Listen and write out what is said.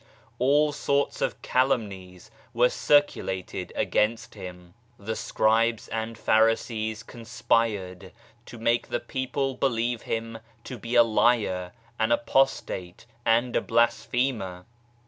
All sorts of calumnies were circulated against Him. The Scribes and Pharisees conspired to make the people believe Him to be a liar, an apostate, and a blasphemer.